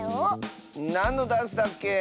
なんのダンスだっけ？